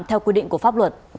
theo quy định của pháp luật